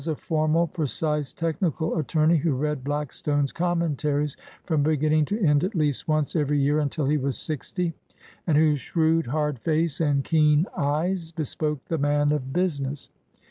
118 A NOTABLE PARTNERSHIP formal, precise, technical attorney, who read Blackstone's Commentaries from beginning to end at least once every year until he was sixty, and whose shrewd, hard face and keen eyes bespoke the man of business.